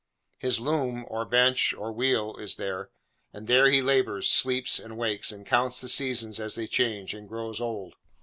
His loom, or bench, or wheel, is there; and there he labours, sleeps and wakes, and counts the seasons as they change, and grows old.